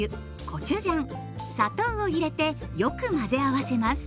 コチュジャン砂糖を入れてよく混ぜ合わせます。